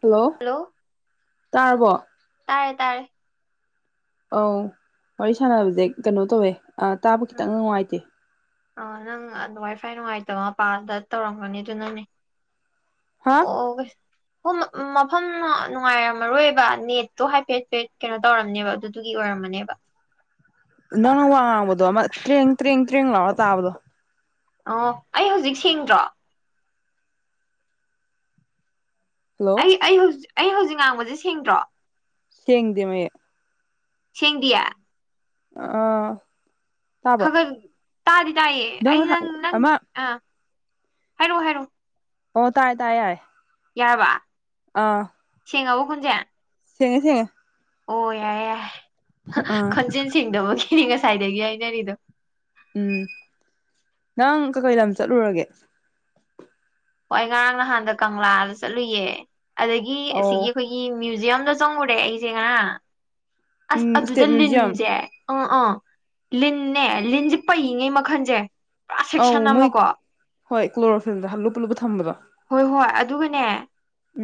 hello ꯇꯥꯔꯕꯣ [inaudible] ꯇꯥꯔꯦ ꯇꯥꯔꯦ ꯑꯧ ꯋꯥꯔꯤ ꯁꯥꯟꯅꯕꯁꯦ ꯀꯩꯅꯣ ꯇꯧꯋꯦ ꯇꯥꯕ ꯈꯤꯇꯪ ꯑꯥ ꯅꯨꯡꯉꯥꯏꯇꯦ ꯁ꯭ꯋꯥꯏ ꯅꯨꯡꯉꯥꯏꯇꯕ ꯃꯄꯥꯗ ꯇꯧꯔꯝꯒꯅꯤ ꯑꯗꯨꯅꯅꯦ ꯍꯥ ꯑꯣ ꯍ ꯃꯐꯝ ꯅꯨꯡꯉꯥꯏꯔꯝꯃꯔꯣꯏꯕ ꯅꯦꯠꯇꯣ ꯍꯥꯏꯐꯦꯠ ꯍꯥꯏꯐꯦꯠ ꯀꯩꯅꯣ ꯇꯧꯔꯝꯅꯦꯕ ꯑꯗꯨꯗꯨꯒꯤ ꯑꯣꯏꯔꯝꯃꯅꯦꯕ ꯅꯪ ꯋꯥꯕꯗꯣ ꯇꯦꯡ ꯇꯦꯡ ꯇꯦꯡ ꯂꯧꯎ ꯇꯥꯕꯗꯣ ꯑꯣ ꯑꯩ ꯍꯧꯖꯤꯛ ꯁꯦꯡꯗ꯭ꯔꯣ ꯍꯜꯂꯣ ꯑꯩ ꯑꯩ ꯍꯧ ꯑꯩ ꯍꯧꯖꯤꯛ ꯉꯥꯡꯕꯁꯦ ꯁꯦꯡꯗ꯭ꯔꯣ ꯁꯦꯡꯗꯃꯦ ꯁꯦꯡꯗꯤꯌꯦ ꯑꯥ ꯇꯥꯕ꯭ꯔꯣ ꯈꯒꯠ ꯇꯥꯗꯤ ꯇꯥꯏꯌꯦ ꯑꯩ ꯅꯪ ꯅꯪꯒꯤ ꯑꯃ ꯑꯥ ꯍꯥꯏꯔꯣ ꯍꯥꯏꯔꯣ ꯑꯣ ꯇꯥꯏ ꯇꯥꯏꯌꯦ ꯌꯥꯔꯕ ꯑꯥ ꯁꯤꯡ ꯑꯕ ꯍꯣꯟꯖꯦ ꯁꯤꯡꯑꯦ ꯁꯤꯡꯑꯦ ꯑꯣ ꯌꯥ ꯌꯥ ꯑꯥ ꯈꯣꯟꯖꯦꯟ ꯁꯦꯛꯗꯕꯒꯤ ꯐ꯭ꯔꯤ ꯉꯁꯥꯏꯗꯒꯤ ꯍꯥꯏꯅꯔꯤꯗꯣ ꯎꯝ ꯅꯪ ꯀꯀꯩ ꯂꯝ ꯆꯠꯂꯨꯔꯒꯦ ꯍꯣꯏ ꯉꯔꯥꯡ ꯅꯍꯥꯟꯗ ꯀꯪꯂꯥꯗ ꯆꯠꯂꯨꯌꯦ ꯑꯗꯒꯤ ꯑꯁꯤꯒꯤ ꯑꯧ ꯑꯩꯈꯣꯏꯒꯤ ꯃꯨꯏꯖꯤꯌꯝ ꯗ ꯆꯪ ꯎꯔꯦ ꯑꯩꯁꯦ ꯉꯔꯥꯡ ꯑꯁ ꯎꯝ ꯏꯁꯇꯦꯠ ꯑꯗꯨꯗ ꯃ꯭ꯌꯨꯖꯤꯌꯝ ꯂꯤꯟꯁꯦ ꯑꯥ ꯑꯥ ꯂꯤꯟꯅꯦ ꯂꯤꯟꯁꯦ ꯄꯩꯉꯩ ꯃꯈꯜꯁꯦ ꯄꯨꯔꯥ ꯑ ꯁꯦꯛꯁꯟ ꯃꯣꯏ ꯑꯃꯀꯣ ꯍꯣꯏ ꯀ ꯀ꯭ꯂꯣꯔꯣꯐꯤꯜ ꯄꯨꯜꯂꯨꯞ ꯄꯨꯂꯨꯞ ꯊꯝꯕꯗꯣ ꯍꯣꯏ ꯍꯣꯏ ꯑꯗꯨꯒꯅꯦ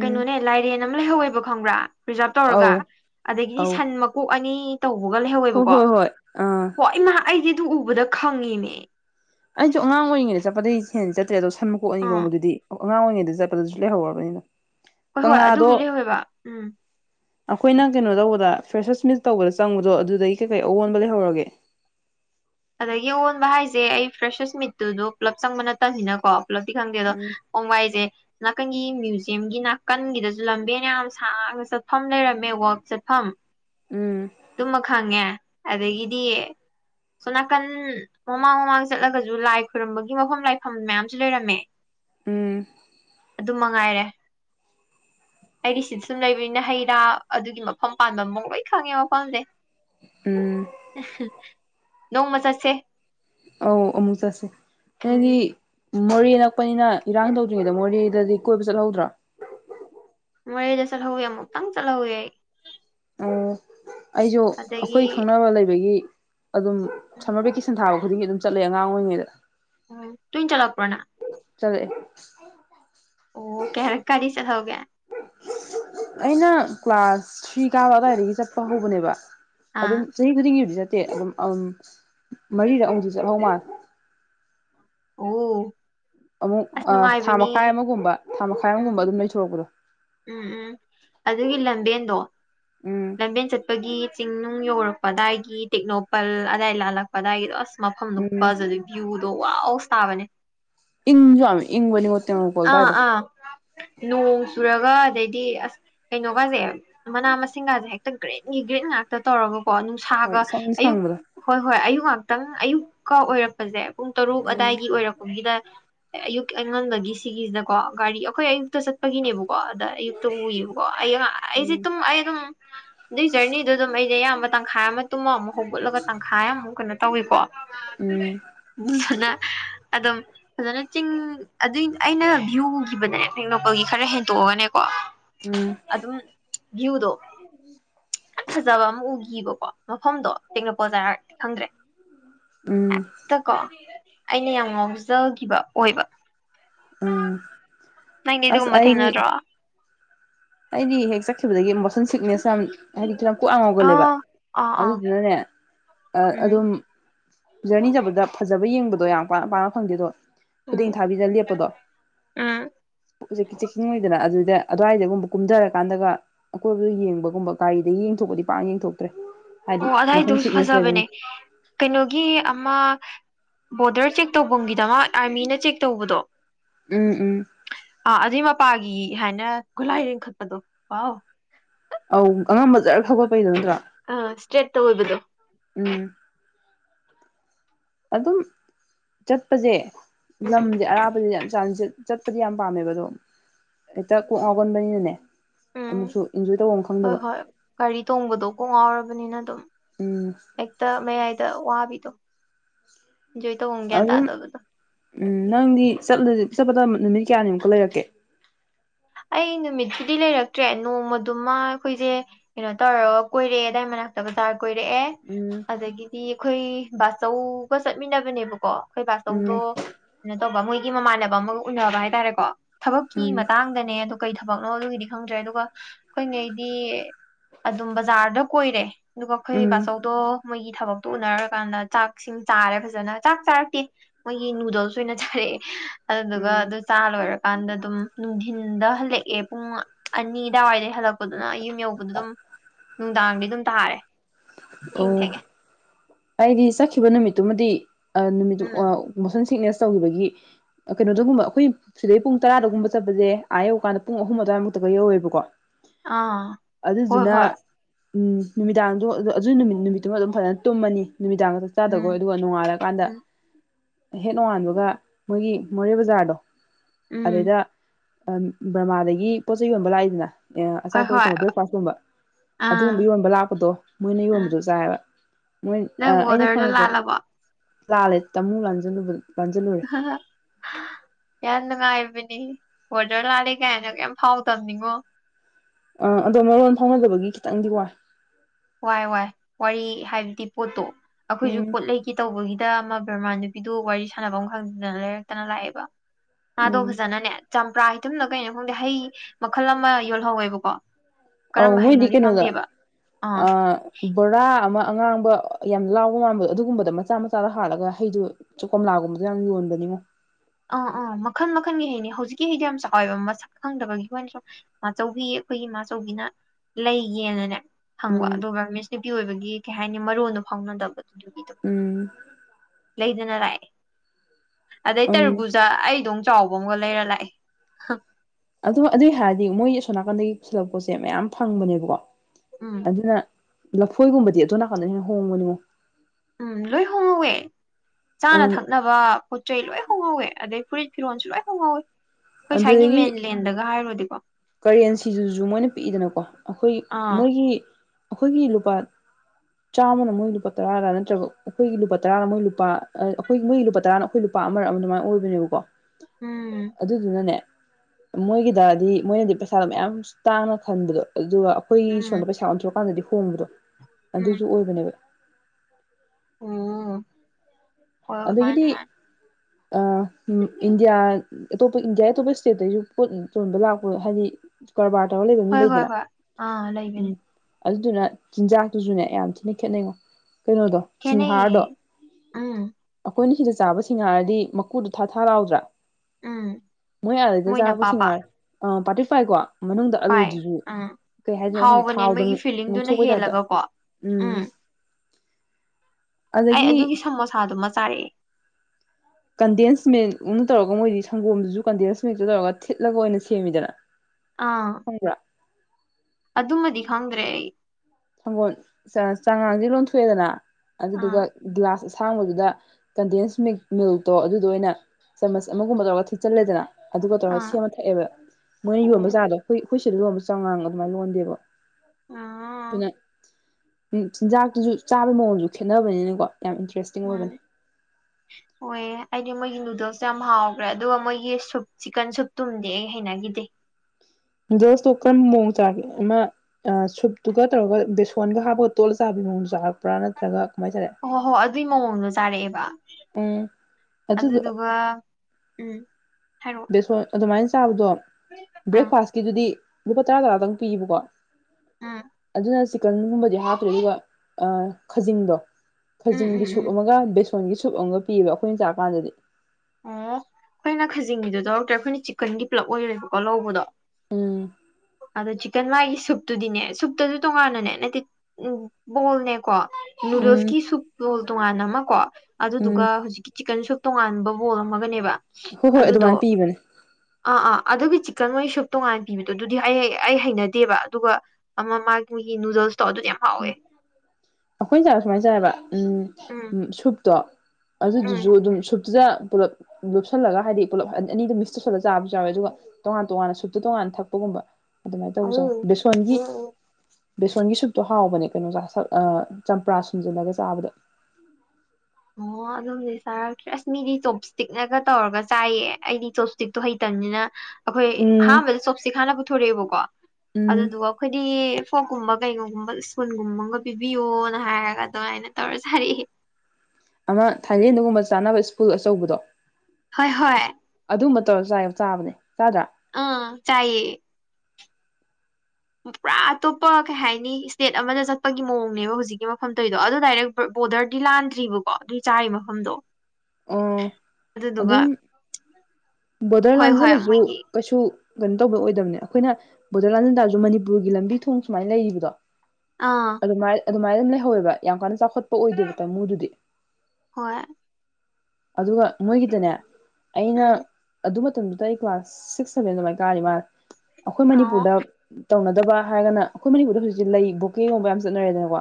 ꯎꯝ ꯂꯥꯏꯔꯦꯟ ꯅꯝ ꯂꯩꯍꯧꯋꯦꯕ ꯈꯪꯕ꯭ꯔꯥ ꯄ꯭ꯔꯤꯖꯕ ꯑꯧ ꯇꯧꯔꯒ ꯑꯗꯒꯤꯗꯤ ꯑꯧ ꯁꯟ ꯃꯀꯣꯛ ꯑꯅꯤ ꯇꯧꯕꯒ ꯍꯣꯏ ꯂꯩꯍꯧꯋꯦꯕꯀꯣ ꯍꯣꯏ ꯍꯣꯏ ꯑꯥ ꯍ ꯏꯃ ꯑꯩꯗꯤ ꯑꯗꯨ ꯎꯕꯗ ꯈꯪꯉꯤꯅꯦ ꯑꯩꯁꯨ ꯑꯉꯥꯡ ꯑꯣꯏꯔꯤꯉꯩꯗ ꯆꯠꯄꯗꯒꯤ ꯑꯩ ꯁꯦꯟ ꯆꯦ ꯇꯦꯗ ꯁꯟ ꯃ ꯑꯥ ꯀꯣꯛꯑꯅꯤꯂꯣꯡꯕꯗꯨꯗꯤ ꯑꯉꯥꯡ ꯑꯣꯏꯔꯤꯉꯩꯗ ꯆꯠꯄꯗꯨꯗꯁꯨ ꯂꯩꯍꯧꯔꯕꯅꯤꯅ ꯍꯣꯏ ꯍꯣꯏ ꯀꯪꯂꯥꯗꯣ ꯑꯗꯨꯕꯨꯗꯤ ꯂꯩ ꯍꯧ ꯌꯦꯕ ꯎꯝ ꯑꯩꯈꯣꯏꯅ ꯀꯩꯅꯣ ꯇꯧꯕꯗ ꯐ꯭ꯔꯦꯁꯁ ꯃꯤꯠ ꯇꯧꯕꯗ ꯆꯪꯕꯗꯣ ꯑꯗꯨꯗꯒꯤ ꯀꯩꯀꯩ ꯑꯑꯣꯟꯕ ꯂꯩꯍꯧꯔꯒꯦ ꯑꯗꯒꯤ ꯑ ꯑꯣꯟꯕ ꯍꯥꯏꯁꯦ ꯑꯩ ꯐ꯭ꯔꯦꯁꯦꯁ ꯃꯤꯠꯇꯨꯗꯣ ꯄꯨꯂꯞ ꯆꯪꯕ ꯅꯠꯇꯝꯅꯤꯅꯀꯣ ꯄꯨꯜꯂꯞ ꯇꯤ ꯈꯪꯗꯦ ꯑꯗꯣ ꯎꯝ ꯑꯍꯣꯡꯕꯥ ꯍꯥꯏꯁꯦ ꯅꯥꯀꯟꯒꯤ ꯃ꯭ꯌꯨꯖꯝꯒꯤ ꯅꯥꯀꯟꯒꯤꯗꯁꯨ ꯂꯝꯕꯦꯟ ꯌꯥꯝ ꯁꯥꯡꯅ ꯆꯠꯐꯝ ꯂꯩꯔꯝꯃꯦ ꯋꯥꯛ ꯆꯠꯐꯝ ꯎꯝ ꯇꯨꯃ ꯈꯪꯉꯦ ꯑꯗꯒꯤꯗꯤ ꯁꯣꯝ ꯅꯥꯀꯟ ꯃꯃꯥꯡ ꯃꯃꯥꯡ ꯆꯠꯂꯒꯁꯨ ꯂꯥꯏ ꯈꯣꯏꯔꯨꯝꯕꯒꯤ ꯃꯐꯝ ꯂꯥꯏꯐꯝ ꯃꯌꯥꯝꯁꯨ ꯂꯩꯔꯝꯃꯦ ꯎꯝ ꯑꯗꯨꯝ ꯃꯉꯥꯏꯔꯦ ꯑꯩ ꯁꯤꯠ ꯁꯨꯝ ꯂꯩꯕꯅꯤꯅ ꯍꯩ ꯔꯥ ꯑꯗꯨꯒꯤ ꯃꯐꯝ ꯄꯥꯟꯕ ꯃꯑꯣꯡ ꯂꯣꯏ ꯈꯪꯉꯦ ꯃꯐꯝꯁꯦ ꯎꯝ ꯎꯍꯨꯝ ꯅꯣꯡꯃ ꯆꯠꯁꯦ ꯑꯧ ꯑꯃꯨꯛ ꯆꯠꯁꯦ ꯎꯝ ꯅ‌ꯣꯏꯗꯤ ꯃꯣꯔꯦ ꯅꯛꯄꯅꯤꯅ ꯏꯔꯥꯡ ꯇꯧꯗ꯭ꯔꯤꯉꯩꯗ ꯃꯣꯔꯦꯗꯗꯤ ꯀꯣꯏꯕ ꯆꯠꯍꯧꯗ꯭ꯔ‌ꯣ ꯃꯣꯔꯦꯗꯥ ꯆꯠ ꯍꯧ ꯑꯦ ꯑꯃꯨꯛ ꯇꯪ ꯆꯠ ꯍꯧ ꯑꯦ ꯑꯣ ꯑꯩꯁꯨ ꯑꯩꯈꯣꯏ ꯈꯪꯅꯕ ꯂꯩꯕꯒꯤ ꯑꯗꯨꯝ ꯁꯝꯃꯔ ꯚꯦꯀꯦꯁꯟ ꯊꯥꯕꯒ ꯈꯨꯗꯤꯡꯒꯤ ꯑꯗꯨꯝꯠꯂꯦ ꯑꯉꯥꯡ ꯑꯣꯏꯔꯤꯉꯩꯗ ꯇꯨ ꯆꯂꯥꯛꯄ꯭ꯔꯣꯅꯥ ꯆꯠꯂꯛ ꯑ ꯀꯌꯥꯔꯛ ꯀꯥꯗꯤ ꯆꯠꯍꯧꯒꯦ ꯑꯩꯅ ꯀ꯭ꯂꯥꯁ ꯊ꯭ꯔꯤ ꯀꯥꯕ ꯑꯗꯨꯋꯥꯏꯗꯒꯤ ꯆꯠꯄ ꯍꯧꯕꯅꯦꯕ ꯑꯥ ꯑꯗꯨꯝ ꯆꯍꯤ ꯈꯨꯗꯤꯡꯒꯤꯖꯦ ꯑꯗꯨꯝ ꯑ ꯃꯔꯤꯗ ꯑꯃꯨꯛꯁꯨ ꯆꯠꯍꯧ ꯃꯥꯜ ꯑꯣ ꯑꯃꯨꯛ ꯑꯁ ꯊꯥ ꯅꯨꯡꯉꯥꯏꯕꯅꯦ ꯃꯈꯥꯏ ꯑꯃꯒꯨꯝꯕ ꯊꯥ ꯎꯝ ꯃꯈꯥꯏꯔꯣꯝꯒꯨꯝꯕ ꯑꯗꯨꯝ ꯂꯣꯏꯊꯣꯔꯛꯄꯗꯣ ꯎꯝ ꯎꯝ ꯑꯗꯨꯒꯤ ꯂꯝꯕꯦꯟꯗꯣ ꯎꯝ ꯂꯝꯕꯦꯟ ꯆꯠꯄꯒꯤ ꯆꯤꯡ ꯌꯧꯔꯛꯄ ꯑꯗꯥꯏꯒꯤ ꯇꯦꯛꯅꯧꯄꯜ ꯑꯗꯥꯏ ꯂꯥꯜꯂꯛꯄꯗꯥꯏꯒꯤꯗꯣ ꯑꯁ ꯃꯐꯝꯗꯨꯣ ꯎꯝ ꯈꯨꯐꯖꯗꯤ ꯚ꯭ꯌꯨꯗꯣ ꯋꯥꯁ ꯇꯥꯕꯅꯦ ꯏꯪꯁꯨ ꯌꯥꯝ ꯏꯪꯕꯅꯤꯉꯣ ꯇꯦꯡꯅꯧꯄꯜ ꯑꯥ ꯑꯗꯨꯋꯥꯏꯗꯣ ꯑꯥ ꯅꯣꯡ ꯑꯗꯩꯗꯤ ꯑꯁ ꯀꯩꯅꯣꯒꯁꯦ ꯃꯅꯥ ꯃꯁꯤꯡꯒꯁꯦ ꯍꯦꯛꯇ ꯒ꯭ꯔꯤꯒꯤ ꯒ꯭ꯔꯤꯟ ꯉꯥꯛꯇ ꯇꯧꯔꯕ ꯀ ꯍꯣꯏ ꯅꯨꯡꯁꯥꯒ ꯏꯁꯪ ꯑꯌꯨꯛ ꯁꯪꯕꯗꯣ ꯍꯣꯏ ꯍꯣꯏ ꯑꯌꯨꯛ ꯉꯥꯛꯇꯪ ꯑꯌꯨꯛ ꯀꯣ ꯑꯣꯏꯔꯛꯄꯁꯦ ꯄꯨꯡ ꯇꯔꯨꯛ ꯎꯝ ꯑꯗꯥꯋꯥꯏꯒꯤ ꯑꯣꯏꯔꯛꯄꯒꯤꯗ ꯑꯌꯨꯛ ꯑꯩꯉꯣꯟꯕꯒꯤ ꯁꯤꯒꯤꯁꯤꯗ ꯀꯣ ꯒꯥꯔꯤ ꯑꯩꯈꯣꯏ ꯑꯌꯨꯛꯇ ꯆꯠꯄꯒꯤ ꯀꯣ ꯑꯗ ꯑꯌꯨꯛꯇ ꯎꯌꯦꯕꯀꯣ ꯑꯩ ꯑꯩꯁꯦ ꯎꯝ ꯑꯗꯨꯝ ꯑꯩ ꯑꯗꯨꯝ ꯑꯗꯨꯩ ꯖꯔꯅꯤꯗꯣ ꯑꯗꯨꯝ ꯑꯩꯁꯦ ꯑꯌꯥꯝꯕ ꯇꯪꯈꯥꯏꯌꯦ ꯑꯃꯃꯦꯦꯨꯡꯃ ꯑꯃꯛ ꯍꯒꯨꯠꯂꯒ ꯇꯪꯈꯥꯏ ꯑꯃꯨꯛ ꯀꯩꯅꯣ ꯇꯧꯋꯤꯀꯣ ꯎꯝ ꯐꯅ ꯑꯗꯨꯝ ꯐꯖꯅ ꯆꯤꯡ ꯑꯗꯨꯏ ꯑꯩꯅ ꯚ꯭ꯌꯨꯈꯤꯕꯅꯦ ꯇꯦꯡꯅꯧꯄꯜꯒꯤ ꯈꯔ ꯍꯦꯟ [unintelligible] ꯀ ꯎꯝ ꯑꯗꯨꯝ ꯚ꯭ꯌꯨꯗꯣ ꯐꯖꯕ ꯑꯃ ꯎꯈꯤꯕꯀꯣ ꯃꯐꯝꯗꯣ ꯇꯦꯡꯅꯧꯄꯖꯥꯔꯗꯤ ꯈꯪꯗ꯭ꯔꯦ ꯎꯝ ꯍꯦꯛꯇ ꯀꯣ ꯑꯩꯅ ꯌꯥꯝ ꯉꯥꯎꯖꯈꯤꯕ ꯑꯣꯏꯕ ꯎꯝ ꯅꯪꯗꯤ ꯑꯁ ꯑꯗꯨꯒꯨꯝꯕ ꯑꯩꯗꯤ ꯊꯦꯡꯅꯗ꯭ꯔꯣ ꯑꯩꯗꯤ ꯍꯦꯛ ꯆꯠꯈꯤꯕꯗꯒꯤ ꯏꯃꯣꯁꯟ ꯁꯤꯛꯅꯦꯁ ꯍꯥꯏꯗꯤ ꯈꯤꯇꯪ ꯀꯣꯛꯡ ꯉꯧꯒꯜꯂꯦꯕ ꯑꯥ ꯑꯥ ꯑꯥ ꯑꯗꯨꯗꯨꯅꯅꯦ ꯑ ꯎꯝ ꯑꯗꯨꯝ ꯖꯔꯅꯤ ꯆꯠꯕꯗ ꯐꯖꯕ ꯌꯦꯡꯕꯗꯣ ꯌꯥꯝꯅ ꯄꯥꯅ ꯐꯪꯗꯦꯗꯣ ꯎꯝ ꯈꯨꯗꯤꯡ ꯊꯥꯕꯤꯖ ꯂꯦꯞꯄꯗꯣ ꯎꯝ ꯍꯧꯖꯤꯛꯀꯤ ꯆꯦꯛꯀꯤꯡ ꯑꯣꯏꯗꯅ ꯑꯗꯨꯏꯗ ꯑꯗꯨꯋꯥꯏꯗꯒꯨꯝꯕ ꯀꯨꯝꯊꯔꯀꯥꯟꯗꯒ ꯑꯈꯣꯏꯕꯗꯨ ꯌꯦꯡꯕꯒꯨꯝꯕ ꯒꯥꯔꯤꯗꯒꯤ ꯌꯦꯡꯊꯣꯛꯄꯗꯤ ꯄꯥꯛ ꯌꯦꯡꯊꯣꯛꯇ꯭ꯔꯦ ꯍꯥꯏꯗꯤ ꯑꯣ ꯃꯣꯁꯟ ꯑꯗꯨꯋꯥꯏꯗꯨꯕꯨꯁꯨ ꯁꯤꯛꯅꯦꯁ ꯂꯩꯕꯅꯤ ꯐꯖꯕꯅꯦ ꯀꯩꯅꯣꯒꯤ ꯑꯃ ꯕꯣꯔꯗꯔ ꯆꯦꯛ ꯇꯧꯐꯝꯒꯤꯗꯃꯛ ꯑꯥꯔꯃꯤꯅ ꯆꯦꯛ ꯇꯧꯕꯗꯣ ꯎꯝ ꯎꯝ ꯑ ꯑꯗꯨꯏ ꯃꯄꯥꯒꯤ ꯀ ꯍꯥꯏꯅ ꯈꯨꯒꯂꯥꯏ ꯂꯤꯡꯈꯠꯄꯗꯣ ꯄꯥꯎ ꯑꯧ ꯑꯉꯥꯡꯕꯖꯥ ꯑꯥ ꯏꯁꯇ꯭ꯔꯦꯠ ꯇ ꯑꯣꯏꯕꯗꯣ ꯎꯝ ꯑꯗꯨꯝ ꯆꯠꯄꯁꯦ ꯎꯝ ꯂꯝꯗꯤ ꯑꯔꯥꯞꯄꯗꯤꯗꯤ ꯌꯥꯝ ꯆꯥꯟꯁꯤꯜ ꯆꯠꯄꯗꯤ ꯌꯥꯝ ꯄꯥꯝꯃꯦꯕ ꯑꯗꯣ ꯍꯦꯛꯇ ꯀꯣꯛ ꯉꯥꯎꯒꯣꯟꯕꯅꯤꯅꯅꯦ ꯎꯝ ꯍꯣꯏ ꯍꯣꯏ ꯒꯥꯔꯤ ꯊꯣꯡꯕꯗꯣ ꯀꯣꯡꯉꯥꯎ ꯕꯅꯤꯅ ꯑꯗꯨꯝ ꯎꯝ ꯑꯩꯛꯇ ꯃ ꯗ ꯋꯥꯍꯕꯤ ꯑꯗꯨꯝ ꯎꯝ ꯅꯪꯗꯤ ꯆꯠꯂꯨꯗꯤ ꯆꯠꯄꯗ ꯅꯨꯃꯤꯠ ꯀꯌꯥꯅꯤꯃꯨꯛꯀ ꯂꯩꯔꯛꯀꯦ ꯑꯩ ꯅꯨꯃꯤꯠꯁꯤꯗꯤ ꯂꯩꯔꯛꯇ꯭ꯔꯦ ꯅꯣꯡꯃꯗꯨꯃ ꯑꯩꯈꯣꯏꯁꯦ ꯀꯩꯅꯣ ꯇꯧꯔꯒ ꯀꯣꯏꯔꯛꯑꯦ ꯑꯗꯥꯏ ꯃꯅꯥꯛꯇ ꯕꯖꯥꯔ ꯀꯣꯏꯔꯛꯑꯦ ꯎꯝ ꯑꯗꯒꯤꯗꯤ ꯑꯩꯈꯣꯏ ꯕꯥꯆꯧꯒ ꯆꯠꯃꯤꯟꯅꯕꯅꯦꯕꯀꯣ ꯑꯩꯈꯣꯏ ꯕꯥꯆꯧꯗꯣ ꯎꯝ ꯀꯩꯅꯣ ꯇꯧꯕ ꯃꯣꯏꯒꯤ ꯃꯃꯥꯟꯅꯕ ꯑꯃꯒ ꯎꯅꯕ ꯍꯥꯏꯇꯥꯔꯦꯀꯣ ꯊꯕꯛꯀꯤ ꯎꯝ ꯃꯇꯥꯡ ꯑꯗꯨꯣ ꯀꯩ ꯊꯕꯛꯅꯣ ꯑꯗꯨꯒꯤꯗꯤ ꯈꯪꯗ꯭ꯔꯦ ꯑꯗꯨꯒ ꯑꯩꯈꯣꯏꯉꯩꯗꯤ ꯑꯗꯨꯝ ꯕꯖꯥꯔꯗ ꯀꯣꯏꯔꯦ ꯑꯗꯨꯒ ꯎꯝ ꯑꯩꯈꯣꯏꯕꯥꯁꯧꯗꯣ ꯃꯣꯏꯒꯤ ꯊꯕꯛꯇꯣ ꯎꯅꯔꯀꯥꯟꯗ ꯆꯥꯛꯁꯤꯡ ꯆꯥꯔꯦ ꯐꯖꯅ ꯆꯥꯛ ꯆꯥꯔꯛꯇꯦ ꯃꯣꯏꯒꯤ ꯅꯨꯗꯜꯁ ꯑꯣꯏꯅ ꯆꯥꯔꯛꯑꯦ ꯑꯗꯨꯗꯨꯒ ꯎꯝ ꯑꯗꯨ ꯆꯥ ꯂꯣꯏꯔꯀꯥꯟꯗ ꯑꯗꯨꯝ ꯅꯨꯡꯗꯤ ꯍꯤꯟꯗ ꯍꯜꯂꯛꯑꯦ ꯄꯨꯡ ꯑꯅꯤ ꯑꯗꯨꯗꯥꯋꯥꯏꯗꯩ ꯍꯜꯂꯛꯄꯗꯨꯅ ꯌꯨꯝ ꯌꯧꯕꯗ ꯑꯗꯨꯝ ꯅꯨꯡꯗꯥꯡꯗꯤ ꯑꯗꯨꯝ ꯇꯥꯔꯦ ꯊꯦꯡ ꯑꯣ ꯊꯦꯡꯉꯦ ꯑꯩꯗꯤ ꯆꯠꯈꯤꯕ ꯅꯨꯃꯤꯠꯇꯨꯃꯗꯤ ꯎꯝ ꯅꯨꯃꯤꯠꯁꯟ ꯐꯤꯛꯅꯦꯁ ꯇꯧꯈꯤꯕꯒꯤ ꯀꯩꯅꯣꯗꯒꯨꯝꯕ ꯑꯩꯈꯣꯏ ꯁꯤꯗꯩ ꯄꯨꯡ ꯇꯔꯥꯗꯒꯨꯝꯕ ꯆꯠꯄꯁꯦ ꯑꯥ ꯌꯧꯀꯥꯟꯗ ꯄꯨꯡ ꯑꯍꯨꯝ ꯑꯗꯨꯋꯥꯏꯃꯨꯛꯇꯒ ꯌꯧꯋꯦꯕꯀꯣ ꯑꯥ ꯍꯣꯏ ꯑꯗꯨꯗꯨꯅ ꯍꯣꯏ ꯎꯝ ꯅꯨꯃꯤꯗꯥꯡꯗꯣ ꯑꯗꯨ ꯑꯗꯨ ꯅꯨꯃꯤꯠ ꯅꯨꯃꯤꯠꯇꯨꯃ ꯑꯗꯨꯝ ꯐꯖꯅ ꯇꯨꯝꯃꯅꯤ ꯅꯨꯃꯤꯗꯥꯡꯒ ꯆ ꯎꯝ ꯆꯥꯗꯈꯣꯏ ꯑꯗꯨꯒ ꯅꯣꯡꯉꯥꯜꯂꯀꯥꯟꯗ ꯎꯝ ꯍꯦꯛ ꯅꯣꯡꯉꯥꯟꯕꯒ ꯃꯣꯏꯒꯤ ꯃꯣꯔꯦ ꯕꯖꯥꯔꯗꯣ ꯎꯝ ꯑꯗꯨꯗꯩꯗ ꯕꯔꯃꯥꯗꯒꯤ ꯄꯣꯠ ꯆꯩꯩ ꯌꯣꯟꯕ ꯂꯥꯛꯏꯗꯅ ꯑꯦ ꯍꯣꯏ ꯍꯣꯏ ꯑꯆꯥꯄꯣꯠꯀꯨꯝꯕ ꯕ꯭ꯔꯦꯛꯐꯥꯁꯀꯨꯝꯕ ꯑꯗꯨꯒꯨꯝꯕ ꯑꯥ ꯌꯣꯟꯕ ꯂꯥꯛꯄꯗꯣ ꯃꯣꯏꯅ ꯑꯥ ꯌꯣꯟꯕꯗꯨ ꯆꯥꯏꯑꯕ ꯃꯣꯏ ꯅꯪ ꯑꯩꯅ ꯑꯣꯕꯗꯔꯗꯣ ꯐꯪꯉꯛꯄ ꯂꯥꯜꯂꯕ ꯂꯥꯜꯂꯦ ꯇꯃꯨꯛ ꯂꯥꯟꯁꯤꯜꯂꯨꯕꯗ ꯌꯥ ꯉ ꯍꯥꯏꯅꯤ ꯋꯥꯗꯔ ꯂꯥꯂꯦ ꯀꯥꯏꯅ ꯀꯩ ꯐꯥꯎ ꯇꯝꯅꯤꯡꯉꯣ ꯑꯥ ꯑꯗꯣ ꯃꯔꯣꯟ ꯐꯥꯎꯅꯗꯕꯒꯤ ꯈꯤꯇꯪꯗꯤ ꯋꯥꯏ ꯋꯥꯏ ꯋꯥꯏ ꯋꯥꯔꯤ ꯍꯥꯏꯕꯗꯤ ꯄꯣꯠꯇꯣ ꯑꯩꯈꯣꯏꯁꯨ ꯎꯝ ꯄꯣꯠ ꯂꯩꯒꯦ ꯇꯧꯕꯒꯤ ꯁꯤꯗ ꯑꯃ ꯕ꯭ꯔꯃꯥꯟ ꯅꯨꯄꯤꯗꯨ ꯋꯥꯔꯤ ꯁꯥꯟꯐꯝ ꯑꯃ ꯈꯪꯗꯗꯅ ꯂꯩꯔꯛꯇꯅ ꯂꯥꯛꯑꯦꯕ ꯃꯥꯗꯣ ꯎꯝ ꯐꯖꯅꯅꯦ ꯆꯝꯄ꯭ꯔꯥ ꯇꯝꯅ ꯀꯩꯅꯣ ꯈꯪꯗꯦ ꯍꯩ ꯃꯈꯜ ꯑꯃ ꯌꯣꯜꯍꯧꯋꯦꯕꯀꯣ ꯀꯔꯝꯕ ꯑꯃꯅꯤ ꯍꯩꯅꯣꯗꯤ ꯀꯅꯤꯗ ꯈꯪꯗꯦꯕ ꯑꯥ ꯑ ꯣꯔ ꯆ ꯑꯃ ꯑꯉꯥꯡꯕ ꯌꯥꯝꯅ ꯂꯥꯎꯕ ꯃꯥꯟꯕꯗꯣ ꯑꯗꯨꯒꯨꯝꯕꯗ ꯃꯆꯥ ꯃꯆꯥꯗ ꯍꯥꯜꯂꯒ ꯍꯩꯗꯨ ꯆꯀꯣꯝꯂꯥꯒꯨꯝꯕꯗ ꯌꯥꯝ ꯌꯣꯟꯕꯅꯤꯉꯣ ꯑꯥ ꯑꯥ ꯃꯈꯜ ꯃꯈꯜꯒꯤ ꯍꯩꯅꯤ ꯍꯧꯖꯤꯛꯀꯤ ꯍꯩꯗꯤꯣ ꯌꯥꯝ ꯆꯥꯎꯥꯏꯕ ꯑꯃ ꯃꯁꯛ ꯈꯪꯗꯕꯒꯤ ꯍꯅꯁꯨ ꯃꯥꯆꯧꯕꯤ ꯑꯩꯈꯣꯏꯒꯤ ꯃꯥꯆꯧꯕꯤꯅ ꯂꯩꯒꯦꯅꯅꯦ ꯍꯪꯕ ꯎꯝ ꯑꯣ ꯔꯔꯃꯦꯁ ꯅꯨꯄꯤ ꯑꯣꯏꯕꯒꯤ ꯀꯩ ꯍꯥꯏꯅꯤ ꯃꯔꯣꯟꯗꯣ ꯐꯥꯎꯅꯗꯕꯗꯣ ꯎꯝ ꯔ ꯎꯝ ꯔꯕꯨꯖ ꯑꯩꯗ ꯆꯥꯎꯕ ꯃꯣꯡꯒ ꯂꯩꯔ ꯂꯥꯛꯑ ꯑꯗꯨ ꯑꯗꯨ ꯑꯣꯏ ꯍꯥꯏꯔꯗꯤ ꯃꯣꯏ ꯁꯣꯅꯥꯀꯟꯗꯒꯤ ꯄꯨꯁꯤꯜꯂꯛꯄꯣꯠꯁꯦ ꯃꯌꯥꯝ ꯐꯪꯕꯅꯦꯕꯀꯣ ꯎꯝ ꯑꯗꯨꯅ ꯂꯐꯣꯏꯒꯨꯝꯕꯗꯤ ꯑꯗꯨꯣ ꯅꯥꯀꯟꯗ ꯍꯦꯟꯅ ꯍꯣꯡꯕꯅꯤꯉꯣ ꯎꯝ ꯂꯣꯏ ꯍꯉꯋꯦ ꯆꯥꯅ ꯊꯛꯅꯕ ꯄꯣꯠ ꯆꯩꯩ ꯂꯣꯏ ꯍꯣꯡꯍꯧꯋꯦ ꯑꯗꯩ ꯐꯔꯤ ꯐꯤꯔꯣꯣꯟ ꯆꯂꯉ ꯑꯣꯏꯣꯏ ꯑꯩꯈꯣꯏ ꯁ꯭ꯥꯏꯒꯤ ꯑꯗꯨꯗꯒꯤ ꯃꯦꯟꯂꯦꯟꯗꯒ ꯍꯥꯏꯔꯨꯔ ꯄꯥ ꯀꯔꯦꯟꯁꯤꯗꯨꯁꯨ ꯃꯣꯏꯅ ꯄꯤꯛꯏꯗꯅꯀꯣ ꯑꯩꯈꯣꯏ ꯑꯥ ꯃꯣꯏꯒꯤ ꯑꯩꯈꯣꯏꯒꯤ ꯂꯨꯄꯥ ꯆꯥꯝꯃꯅ ꯃꯣꯏ ꯂꯨꯄꯥ ꯇꯔꯥꯒ ꯅꯠꯇ꯭ꯔꯒ ꯑꯩꯈꯣꯏꯒꯤ ꯂꯨꯄꯥ ꯇꯔꯥꯅ ꯃꯣꯏ ꯂꯨꯄꯥ ꯑꯩꯈꯣꯏꯒꯤ ꯃꯣꯏꯒꯤ ꯂꯨꯄꯥ ꯇꯔꯥꯅ ꯑꯩꯈꯣꯏ ꯂꯨꯄꯥ ꯑꯃ ꯑꯃ ꯑꯗꯨꯃꯥꯏꯅ ꯑꯣꯏꯕꯅꯦꯕꯀꯣ ꯎꯝ ꯑꯗꯨꯗꯨꯅꯅꯦ ꯃꯣꯏꯒꯗꯗꯤ ꯃꯣꯏꯅꯗꯤ ꯄꯩꯁꯥꯗꯣ ꯃꯌꯥꯝ ꯇꯥꯡꯅ ꯈꯟꯕꯗꯣ ꯑꯗꯨꯒ ꯑꯩꯈꯣꯏ ꯎꯝ ꯁꯣꯟꯗ ꯄꯩꯁꯥ ꯑꯣꯟꯊꯣꯔꯛꯀꯥꯟꯗꯗꯤ ꯀꯨꯝ꯭ꯔ ꯑꯗꯨꯁꯨ ꯑꯣꯏꯕꯅꯦꯕ ꯎꯝ ꯍ ꯃꯥꯅꯦ ꯃꯥꯅꯤ ꯑ ꯎ ꯏꯟꯗꯤꯌꯥ ꯑꯇꯣꯞꯄ ꯏꯟꯗꯤꯌꯥ ꯑꯇꯣꯞꯄ ꯏꯁꯇꯦꯠꯇꯇꯩꯒꯤꯁꯨ ꯄꯣꯠ ꯌꯣꯟꯕ ꯂꯥꯛꯄ ꯍꯥꯏꯗꯤ ꯔꯕꯥꯔ ꯍꯕ ꯍꯣꯏ ꯍꯣꯏ ꯃꯤꯂꯗ ꯍꯣꯏ ꯑꯥ ꯎꯝ ꯂꯩꯕꯅꯦ ꯑꯗꯨꯗꯨꯅ ꯆꯤꯟꯖꯥꯛꯇꯨꯁꯨꯅꯦ ꯌꯥꯝ ꯊꯤꯅ ꯈꯦꯠꯅꯩꯉꯣ ꯀꯩꯅꯣꯗꯣ ꯁꯤꯡꯍꯥꯔꯗꯣ ꯈꯦꯠꯅꯩꯌꯦ ꯎꯝ ꯑꯩꯈꯣꯏꯅ ꯍꯗ ꯆꯥꯕ ꯁꯤꯡꯉꯔꯗꯤ ꯃꯀꯨꯗꯨꯣ ꯊꯥ ꯊꯥ ꯂꯎꯗ꯭ꯔꯥ ꯎꯝ ꯃꯣꯏ ꯑꯗꯤ ꯃꯣꯏꯅ ꯄꯥꯄꯥ ꯆꯥꯕꯨꯣꯁꯤꯉꯔ ꯑ ꯄꯥ ꯄꯥꯏ ꯀꯣ ꯃꯅꯨꯡꯗ ꯄꯥꯏ ꯑꯂꯨꯗꯨꯁꯨ ꯎꯝ ꯀꯩ ꯍꯥꯏꯗꯅꯣ ꯑꯩꯈꯣꯏ ꯍꯥꯎꯕꯅꯦ ꯊꯥꯎꯗ ꯃꯣꯏꯒꯤ ꯐꯤꯂꯤꯡꯗꯨꯅ ꯉꯣꯛꯊꯣꯛꯄꯩꯇꯥꯗ ꯍꯦꯜꯂꯒꯀꯣ ꯎꯝ ꯑꯩ ꯑꯗꯒꯤ ꯑꯗꯨꯒꯤ ꯁꯃꯣꯁꯥꯗꯣ ꯃ ꯇꯔꯦ ꯀꯟꯗꯦꯟꯁꯃꯦꯟꯅ ꯇꯧꯔꯒ ꯃꯣꯏꯗꯤ ꯁꯪꯒꯣꯝꯗꯨꯁꯨ ꯀꯟꯗꯦꯟꯁꯃꯦꯟꯇꯨ ꯇꯧꯔꯒ ꯊꯤꯠꯂꯒ ꯑꯣꯏꯅ ꯁꯦꯝꯃꯤꯗꯅ ꯑꯥ ꯈꯪꯕ꯭ꯔꯥ ꯑꯗꯨꯃꯗꯤ ꯈꯪꯗ꯭ꯔꯦ ꯑꯩ ꯁꯪꯒꯣꯜ ꯆꯉꯥꯡꯁ ꯂꯣꯟꯊꯣꯛꯑꯦꯗꯅ ꯑꯥ ꯑꯗꯨꯗꯨꯒ ꯒ꯭ꯂꯥꯁ ꯑꯁꯥꯡꯕꯗꯨꯗ ꯀꯟꯗꯦꯟꯁ ꯃꯤꯜꯛꯇꯣ ꯑꯗꯨꯗ ꯑꯣꯏꯅ ꯆꯥꯃꯁ ꯑꯃꯒꯨꯝꯕ ꯇꯧꯔꯒ ꯊꯤꯠꯆꯜꯂꯦꯗꯅ ꯑꯗꯨꯒ ꯇꯧꯔꯒ ꯑꯥ ꯁꯦꯝꯃ ꯊꯛꯑꯦꯕ ꯃꯣꯏꯅ ꯑꯣ ꯌꯣꯟꯕ ꯥꯔꯗꯣ ꯍꯈꯣꯏ ꯑꯩꯈꯣꯏꯁꯤꯗ ꯂꯣꯟꯕ ꯆꯉꯥꯡꯒ ꯑꯗꯨꯃꯥꯏꯅ ꯂꯣꯟꯗꯦꯕ ꯑ ꯎꯝ ꯆꯤꯟꯖꯥꯛꯇꯨꯁꯨ ꯆꯥꯕꯩ ꯃꯑꯣꯡꯁꯨ ꯈꯦꯠꯅꯕꯅꯤꯅꯀꯣ ꯌꯥꯝ ꯏꯟꯇꯔꯦꯁꯇꯤꯡ ꯑꯣꯏꯕꯅꯦ ꯃꯥꯅꯦ ꯍꯌꯦ ꯑꯩꯗꯤ ꯃꯣꯏꯒꯤ ꯅꯨꯗꯜꯁꯇ ꯌꯥꯝ ꯍꯥꯎꯈ꯭ꯔꯦ ꯑꯗꯨꯒ ꯃꯣꯏꯒꯤ ꯁꯨꯞ ꯆꯤꯛꯀꯟ ꯁꯨꯞ ꯇꯨꯝꯗꯦ ꯑꯩ ꯍꯩꯅꯈꯤꯗꯦ ꯒꯦꯁꯇꯣ ꯀꯔꯝꯕ ꯃꯑꯣꯣꯡ ꯆꯥꯒꯦ ꯑꯃ ꯁꯨꯞꯇꯨꯒ ꯇꯧꯔꯒ ꯕꯦꯁꯣꯟꯒ ꯍꯥꯞꯄꯒ ꯇꯣꯜꯂ ꯆꯥꯕꯤ ꯃꯑꯣꯣꯡ ꯆꯥꯔꯛꯄ꯭ꯔꯥ ꯅꯠꯇ꯭ꯔꯒ ꯀꯃꯥꯏꯅ ꯆꯥꯔꯛꯑꯦ ꯑꯣ ꯍꯣ ꯍꯣꯏ ꯑꯗꯨꯏ ꯃꯑꯣꯡꯗꯣ ꯆꯥꯔꯛꯑꯦꯕ ꯎꯝ ꯑꯗꯨꯗꯣ ꯑꯗꯨꯗꯨꯒ ꯎꯝ ꯍꯥꯏꯔꯛꯑꯣ ꯁ ꯑꯗꯨ ꯑꯗꯨꯃꯥꯏ ꯆꯥꯎꯗꯣ ꯑꯥ ꯕ꯭ꯔꯦꯛꯐꯥꯁꯀꯤꯗꯨꯗꯤ ꯂꯨꯄꯥ ꯇꯔꯥ ꯇꯔꯥꯗꯪ ꯄꯤꯕꯀꯣ ꯑꯗꯨ ꯎꯝ ꯑꯗꯨꯅ ꯆꯤꯀꯟꯒꯨꯝꯕꯗꯤ ꯍꯥꯞꯇ꯭ꯔꯦ ꯑꯗꯨꯒ ꯈꯖꯤꯡꯗꯣ ꯎꯝ ꯈꯥꯖꯤꯡꯗꯤ ꯁꯨꯞ ꯎꯝ ꯎꯝ ꯑꯃꯒ ꯕꯦ ꯁꯣꯟꯒꯤ ꯁꯨꯞ ꯑꯃꯒ ꯄꯤꯑꯕ ꯑꯩꯈꯣꯏꯅ ꯆꯥꯛ ꯀꯥꯟꯗꯗꯤ ꯑꯣ ꯑꯩꯈꯣꯏꯅ ꯈꯖꯤꯡꯒꯤꯗꯣ ꯇꯧꯔꯛꯇꯔ ꯑꯩꯈꯣꯏꯅ ꯆꯤꯛꯀꯟꯒꯤ ꯄꯨꯂꯞ ꯑꯣꯏꯔꯦꯕꯀꯣ ꯂꯧ ꯕꯗꯣ ꯑ ꯑꯗꯣ ꯆꯤꯛꯀꯟ ꯃꯥꯒꯤ ꯁꯨꯞꯇꯨꯗꯤꯅꯦ ꯁꯨꯞꯇꯗꯤ ꯇꯣꯉꯥꯟꯅꯅꯦ ꯅꯠꯇꯦ ꯕꯣꯜꯅꯦꯀꯣ ꯎꯝ ꯅꯨꯗꯜꯁꯀꯤ ꯁꯨꯞ ꯕꯣꯜ ꯇꯣꯉꯥꯟꯅ ꯑꯃꯀꯣ ꯎꯝ ꯑꯗꯨꯗꯨꯒ ꯍꯧꯖꯤꯛꯀꯤ ꯆꯤꯛꯀꯟ ꯁꯨꯞ ꯇꯣꯉꯥꯟꯕ ꯕꯣꯜ ꯑꯃꯒꯅꯦꯕ ꯍꯣꯏ ꯍꯣꯏ ꯑꯗꯨꯗꯣ ꯑꯗꯨꯃꯥꯏꯅ ꯄꯤꯕꯅꯦ ꯑ ꯑꯥ ꯑꯗꯨꯒꯤ ꯆꯤꯀꯟ ꯃꯣꯏ ꯁꯨꯞ ꯇꯉꯅ ꯄꯤꯕꯤꯗ ꯑꯗꯨ ꯑꯗꯨ ꯑꯩ ꯑꯩ ꯍꯩꯅꯗꯦꯕ ꯑꯗꯨꯒ ꯑꯃ ꯃꯥꯒꯤ ꯅꯨꯗꯜꯁꯇꯣ ꯑꯗꯨꯗꯤ ꯌꯥꯝ ꯎꯝ ꯍꯥꯎꯋꯦ ꯑꯩꯈꯣꯏꯅ ꯆꯕ ꯁꯨꯃꯥꯏꯅ ꯆꯥꯏꯔꯕ ꯎꯝ ꯁꯨꯨꯞꯇꯣ ꯑꯗꯨꯗꯨꯁꯨ ꯎꯝ ꯑꯗꯨꯝ ꯁꯨꯞꯇꯨꯗ ꯄꯨꯂꯞ ꯂꯨꯞꯁꯜꯂꯒ ꯍꯥꯏꯗꯤ ꯄꯨꯂꯞ ꯑꯅꯤꯗꯣ ꯃꯤꯁ ꯇꯧꯁꯜꯂꯒ ꯆꯥꯕꯁꯨꯎꯋꯦ ꯑꯗꯨꯒ ꯇꯣꯉꯥꯟ ꯇꯣꯉꯥꯟ ꯁꯨꯞꯇꯨ ꯇꯣꯉꯥꯟꯅ ꯊꯛꯄꯒꯨꯝꯕ ꯑꯣ ꯑꯗꯨ ꯑꯣ ꯑꯣ ꯕꯦꯁꯣꯟꯒꯤ ꯁꯨꯨꯞꯛꯇꯣ ꯍꯥꯎꯕꯅꯦ ꯀꯩꯅꯣꯖꯥ ꯁꯛ ꯑ ꯆꯝꯄ꯭ꯔꯥ ꯁꯨꯝꯖꯤꯜꯂꯒ ꯆꯥꯕꯗ ꯑꯣ ꯑꯗꯨꯝꯗꯤ ꯆꯔꯛꯇ꯭ꯔꯁ ꯃꯤꯗꯤ ꯆꯣꯞ ꯏꯁꯇꯤꯛꯅꯒ ꯇꯧꯔꯒ ꯆꯥꯏꯌꯦ ꯑꯩꯗꯤ ꯆꯣꯞ ꯏꯁꯇꯤꯛꯇꯣ ꯍꯩꯇꯕꯅꯤꯅ ꯑꯩꯈꯣꯏ ꯎꯝ ꯑꯍꯥꯟꯕꯗ ꯆꯣꯞꯁ꯭ꯇꯤꯛꯁ ꯈꯅꯕ ꯊꯣꯛꯔꯦꯕꯀꯣ ꯎꯝ ꯑꯗꯨꯗꯨꯒ ꯑꯩꯈꯣꯏꯗꯤ ꯐꯣꯛꯀꯨꯝꯕ ꯀꯩꯒꯨꯝꯒꯨꯝꯕ ꯁ꯭ꯄꯨꯟꯒꯨꯝꯕꯒ ꯄꯤꯕꯤꯌꯣꯅ ꯍꯥꯏꯔꯒ ꯑꯗꯨꯃꯥꯏꯅ ꯇꯧꯔ ꯁꯥꯔꯛꯑ ꯑꯃ ꯊꯥꯏꯂꯦꯟꯗꯒꯨꯝꯕ ꯆꯥꯅꯕ ꯁ꯭ꯀꯨꯜ ꯑꯆꯧꯕꯗꯣ ꯍꯣꯏ ꯍꯣꯏ ꯇꯣ ꯆꯥꯛ ꯌꯥꯝ ꯆꯥꯕꯅꯦ ꯆꯥ ꯗ꯭ꯔꯥ ꯎꯝ ꯆꯥꯏꯌꯦ ꯄꯨꯔꯥ ꯑꯇꯣꯞꯄ ꯀꯩ ꯍꯥꯏꯅꯤ ꯏꯁꯇꯦꯠ ꯑꯃꯗ ꯆꯠꯄꯒꯤ ꯃꯑꯣꯡꯅꯦꯕ ꯍꯧꯖꯤꯛꯀꯤ ꯃꯐꯝꯗ ꯇꯧꯏ ꯗꯣ ꯑꯗꯨ ꯗꯥꯏꯔꯦꯛ ꯕꯣ꯭ꯔꯗ꯭ꯔꯗꯤ ꯂꯥꯟꯗ꯭ꯔꯤꯕꯀꯣ ꯑꯗꯨꯏ ꯆꯥꯔꯤ ꯃꯐꯝꯗꯣ ꯑꯣ ꯑꯗꯨꯗꯨꯒ ꯑꯗꯨꯝ ꯕꯣ꯭ꯔꯗ꯭ꯔ ꯍꯣꯏ ꯍꯣꯏ ꯂꯥꯟꯁꯤꯜꯂꯁꯨ ꯃꯣꯏꯒꯤ ꯀꯩꯁꯨ ꯀꯩꯅꯣ ꯇꯧꯕ ꯑꯣꯏꯗꯕꯅꯦ ꯑꯩꯈꯣꯏꯅ ꯕꯣ꯭ꯔꯗ꯭ꯔ ꯂꯥꯟꯁꯤꯟ ꯇꯔꯁꯨ ꯃꯅꯤꯄꯨꯔꯒꯤ ꯂꯝꯕꯤ ꯊꯣꯡ ꯁꯨꯃꯥꯏꯅ ꯂꯩꯔꯤꯕꯗꯣ ꯑꯥ ꯑꯗꯨꯃꯥꯏ ꯑꯗꯨꯝ ꯂꯩꯍꯧꯋꯦꯕ ꯌꯥꯝ ꯀꯟꯅ ꯆꯥꯎ ꯈꯣꯠꯄ ꯑꯣꯏꯗꯦꯕ ꯇꯥꯃꯨꯗꯨꯗꯤ ꯍꯣꯏ ꯑꯗꯨꯒ ꯃꯣꯏꯒꯤꯗꯅꯦ ꯑꯩꯅ ꯎꯝ ꯑꯗꯨꯃ ꯃꯇꯝꯗꯨꯗ ꯑꯩ ꯀ꯭ꯂꯥꯁ ꯁꯤꯛꯁ ꯁꯥꯚꯦꯟ ꯑꯗꯨꯃꯥꯏꯅ ꯀꯥꯔꯤ ꯃꯥꯜꯂ‌ꯦ ꯑꯩꯈꯣꯏ ꯑꯣ ꯃꯅꯤꯄꯨ꯭ꯔꯗ ꯇꯧꯅꯗꯕ ꯍꯥꯏꯔꯒꯅ ꯑꯩꯈꯣꯏ ꯃꯅꯤꯄꯨ꯭ꯔꯗ ꯍꯧꯖꯤꯛꯁꯦ ꯂꯩ ꯕꯨꯀꯦꯒꯨꯝꯕ ꯌꯥꯝ ꯆꯠꯅꯔꯦꯗꯅꯀꯣ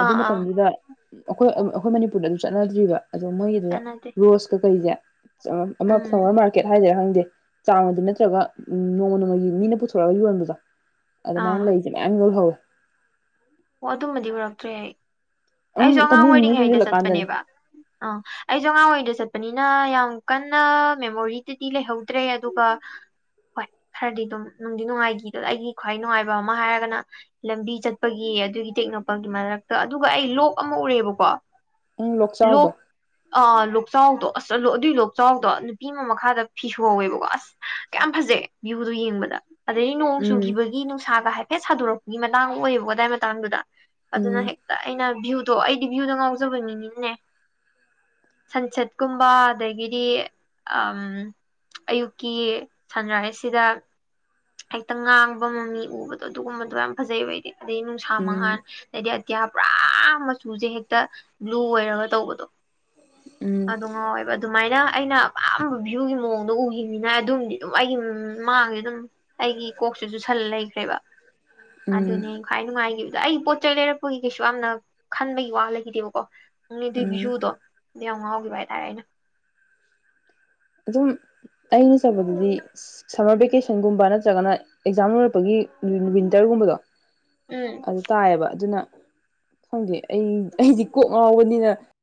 ꯑꯗꯨ ꯑꯥ ꯑꯥ ꯃꯇꯝꯗꯨꯗ ꯑꯩꯈꯣꯏ ꯑꯩꯈꯣꯏ ꯃꯅꯤꯄꯨ꯭ꯔꯗ ꯑꯗꯨ ꯆꯠꯅꯗ꯭ꯔꯤꯕ ꯑꯗꯣ ꯃꯣꯏꯒꯤꯗꯨꯗ ꯆꯥꯟꯅꯗꯦ ꯔꯣꯁ ꯀꯩꯖꯦ ꯑꯃ ꯎꯝ ꯐ꯭ꯂꯥꯋꯥ꯭ꯔ ꯃꯥ꯭ꯔꯀꯦꯠ ꯍꯥꯏ ꯗꯨꯏꯔꯥ ꯆꯥꯃꯗꯤ ꯅꯠꯇ꯭ꯔꯒ ꯎ ꯅꯣꯡꯃ ꯅꯣꯡꯃꯒꯤ ꯃꯤꯅ ꯄꯨꯊꯣꯔꯛꯒ ꯌꯣꯟꯕꯗꯣ ꯑꯥ ꯑꯗꯨꯃꯥꯏꯅ ꯂꯩꯁꯦ ꯃꯌꯥꯝ ꯌꯣꯜꯍꯧꯋꯦ ꯑꯣ ꯑꯗꯨꯃꯗꯤ ꯎꯔꯛꯇ꯭ꯔꯦ ꯑꯩ ꯑꯪ ꯑꯩꯁꯨ ꯑꯉꯥꯡ ꯇꯥꯃꯨ ꯃꯅꯨꯡ ꯑꯣꯏꯔꯤꯉꯩꯗ ꯆꯪꯁꯤꯜꯂꯀꯥꯟꯗꯅꯦ ꯆꯠꯄꯅꯦꯕ ꯑꯥ ꯑꯩꯁꯨ ꯑꯉꯥꯡ ꯑꯣꯏꯔꯤꯗ ꯆꯠ ꯆꯠꯄꯅꯤꯅ ꯌꯥꯝ ꯀꯟꯅ ꯃꯦꯃꯣꯔꯤꯗꯗꯤ ꯂꯩꯍꯧꯗ꯭ꯔꯦ ꯑꯗꯨꯒ ꯍꯣꯏ ꯈꯔꯗꯤ ꯑꯗꯨꯝ ꯅꯨꯡꯗꯤ ꯅꯨꯡꯉꯥꯏꯒꯤꯗ ꯑꯩꯒꯤ ꯈ꯭ꯋꯥꯏ ꯅꯨꯡꯉꯥꯏꯕ ꯑꯃ ꯍꯥꯏꯔꯒꯅ ꯂꯝꯕꯤ ꯆꯠꯄꯒꯤ ꯑꯗꯨꯒꯤ ꯇꯦꯛꯅꯧꯄꯜꯒꯤ ꯃꯔꯛꯇ ꯑꯗꯨꯒ ꯑꯩ ꯂꯣꯛ ꯑꯃ ꯎꯔꯦꯕꯀꯣ ꯎꯪ ꯂꯣꯛꯆꯥꯎꯗꯣ ꯂꯣꯛ ꯑ ꯂꯣꯛꯆꯥꯎꯗꯣ ꯑꯁꯂꯣ ꯑꯗꯨꯏ ꯂꯣꯛꯆꯥꯎꯗꯣ ꯅꯨꯄꯤ ꯑꯃ ꯃꯈꯥꯗ ꯐꯤꯁꯨꯍꯧꯋꯦꯕꯀꯣ ꯑꯁ ꯀꯌꯥꯝ ꯐꯖꯩ ꯚ꯭ꯌꯨꯗꯣ ꯌꯦꯡꯕꯗ ꯑꯗꯩ ꯅꯣꯡ ꯎꯝ ꯆꯨꯈꯤꯕꯒꯤ ꯅꯨꯡꯁꯥꯒ ꯍꯥꯏ ꯍꯦ ꯁꯥꯥꯗꯣꯔꯛꯄꯒꯤ ꯃꯇꯥꯡ ꯑꯣꯏꯌꯦꯕ ꯑꯗꯥꯏ ꯃꯇꯥꯡꯗꯨꯗ ꯑꯗꯨꯅ ꯎꯝ ꯍꯦꯛꯇ ꯑꯩꯅ ꯚꯌꯨ ꯑꯗꯣ ꯑꯩꯗꯤ ꯚ꯭ꯌꯨꯗ ꯉꯥꯎꯖꯕꯅꯤꯅꯤꯅꯦ ꯁꯟꯁꯦꯠꯀꯨꯝꯕ ꯑꯗꯒꯤꯗꯤ ꯑꯌꯨꯛꯀꯤ ꯁꯟꯔꯥꯏꯖꯁꯤꯗ ꯍꯦꯛꯇ ꯉꯥꯡꯕ ꯃꯝꯃꯤ ꯎꯕꯗꯣ ꯑꯗꯨꯒꯨꯝꯕꯗꯣ ꯌꯥꯝ ꯐꯖꯩꯕ ꯑꯩꯗꯤ ꯑꯗꯩ ꯅꯨꯡꯁꯥ ꯃꯉꯥꯟ ꯎꯝ ꯑꯗꯩꯗꯤ ꯑꯇꯤꯌꯥ ꯄꯨꯔꯥ ꯆꯨꯁꯦ ꯍꯦꯛꯇ ꯕ꯭ꯂꯨ ꯑꯣꯏꯔꯒ ꯇꯧꯕꯗꯣ ꯎꯝ ꯑꯗꯨ ꯉꯥꯏꯥꯏꯕ ꯑꯗꯨꯃꯥꯏꯅ ꯑꯩꯅ ꯑꯄꯥꯝꯕ ꯚꯤꯌꯨꯒꯤ ꯃꯑꯣꯡꯗꯣ ꯎꯈꯤꯕꯅꯤꯅ ꯑꯗꯨꯝꯗꯤ ꯑꯗꯨꯝ ꯑꯩꯒꯤ ꯃꯥꯡꯉꯦ ꯑꯗꯨꯝ ꯑꯩꯒꯤ ꯀꯣꯛꯁꯤ ꯆꯨ ꯁꯜꯂ ꯂꯩꯈ꯭ꯔꯦꯕ ꯎꯝ ꯑꯗꯨꯅꯦ ꯈ꯭ꯋꯥꯏ ꯅꯨꯡꯉꯥꯏꯈꯤꯕꯗ ꯑꯩ ꯄꯣꯠ ꯆꯩ ꯂꯩꯔꯛꯄꯒꯤ ꯀꯩꯁꯨ ꯌꯥꯝꯅ ꯈꯟꯕꯒꯤ ꯋꯥ ꯂꯩꯈꯤꯗꯦꯕꯀꯣ ꯅꯪ ꯑꯗꯨꯏ ꯎꯝ ꯚ꯭ꯨꯗꯣ ꯌꯥꯝ ꯉꯥꯎꯈꯤꯕ ꯍꯥꯏꯇꯥꯔꯦ ꯑꯩꯅ ꯑꯗꯨꯝ ꯑꯩꯅ ꯆꯕꯗꯗꯤ ꯁꯝꯃꯔ ꯚꯦꯀꯦꯁꯟꯒꯨꯝꯕ ꯅꯠꯇ꯭ꯔꯒꯅ ꯑꯦꯛꯖꯥꯝ ꯒꯤ ꯋꯤꯟꯇꯔꯒꯨꯝꯕꯗꯣ ꯎꯝ ꯑꯗꯨ ꯇꯥꯏꯌꯦꯕ ꯑꯗꯨꯅ ꯈꯪꯗꯦ ꯑꯩ ꯑꯩꯗꯤ ꯀꯣꯛ ꯉꯥꯎꯕꯅꯤꯅ